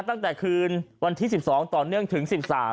ตั้งแต่คืนวันที่๑๒ต่อเนื่องถึง๑๓